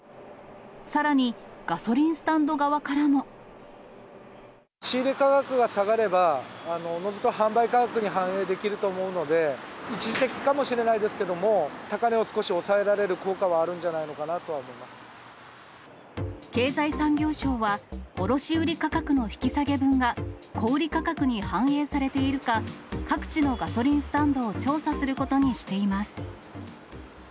さらに、ガソリンスタンド側仕入れ価格が下がれば、おのずと販売価格に反映できると思うので、一時的かもしれないですけれども、高値を少し抑えられる効果はあるんじゃないのかなと経済産業省は、卸売り価格の引き下げ分が小売り価格に反映されているか、各地のガソリンスタンドを調査することにしています。